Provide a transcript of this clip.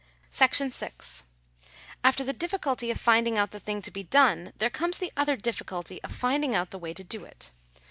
§6. After the difficulty of finding out the thing to be done, there comes the other difficulty of finding out the way to do it.